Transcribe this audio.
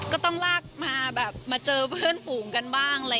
ก็ต้องมาเจอเพื่อนหูกันบ้าง